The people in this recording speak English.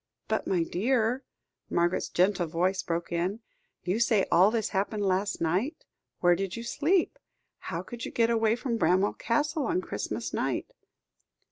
"But, my dear," Margaret's gentle voice broke in, "you say all this happened last night. Where did you sleep? How could you get away from Bramwell Castle, on Christmas night?"